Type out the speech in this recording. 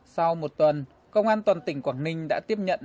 sau một tuần công an toàn tỉnh quảng ninh đã tiếp nhận năm trăm năm mươi hồ sơ